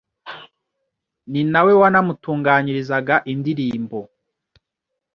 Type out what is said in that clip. ni nawe wanamutunganyirizaga indirimbo